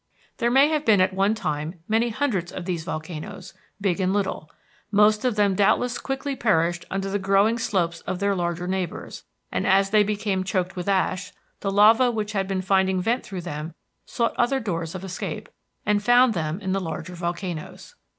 There may have been at one time many hundreds of these volcanoes, big and little. Most of them doubtless quickly perished under the growing slopes of their larger neighbors, and, as they became choked with ash, the lava which had been finding vent through them sought other doors of escape, and found them in the larger volcanoes.